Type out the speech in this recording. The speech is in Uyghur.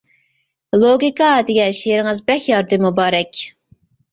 لوگىكا دېگەن شېئىرىڭىز بەك يارىدى، مۇبارەك.